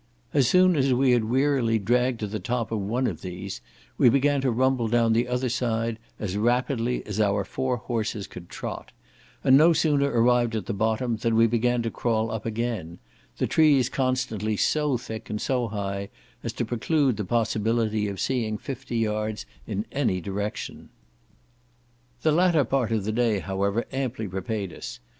As soon as we had wearily dragged to the top of one of these, we began to rumble down the other side as rapidly as our four horses could trot; and no sooner arrived at the bottom than we began to crawl up again; the trees constantly so thick and so high as to preclude the possibility of seeing fifty yards in any direction. The latter part of the day, however, amply repaid us.